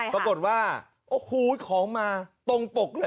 ปรากฏว่าโอ้โหของมาตรงปกเลย